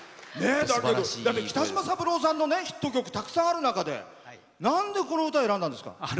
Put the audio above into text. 北島三郎さんのヒット曲、たくさんある中でなんでこの歌を選んだんですか？